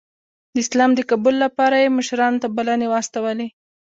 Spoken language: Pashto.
د اسلام د قبول لپاره یې مشرانو ته بلنې واستولې.